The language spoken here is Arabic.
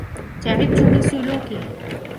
تعبت من سلوكه.